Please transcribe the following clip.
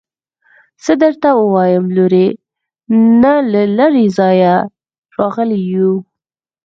څه درته ووايم لورې نه له لرې ځايه راغلي يو.